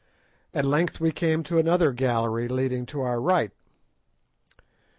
At length we came to another gallery leading to our right.